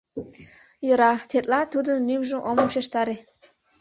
— Йӧра, тетла тудын лӱмжым ом ушештаре...